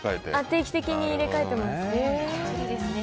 定期的に入れ替えてます。